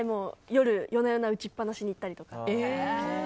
夜な夜な打ちっぱなしに行ったりとか。